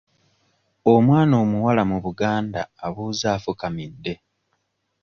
Omwana omuwala mu Buganda abuuza afukamidde.